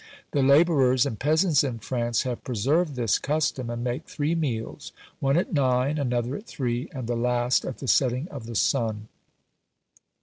The labourers and peasants in France have preserved this custom, and make three meals; one at nine, another at three, and the last at the setting of the sun.